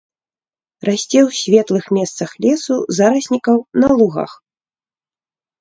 Расце ў светлых месцах лесу, зараснікаў, на лугах.